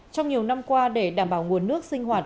trong nhiều năm qua để đảm bảo nguồn nước sinh hoạt